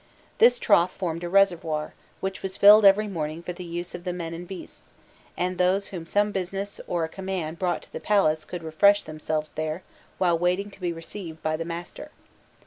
This trough formed a reservoir, which was filled every morning for the use of the men and beasts, and those whom some business or a command brought to the palace could refresh themselves there while waiting to be received by the master.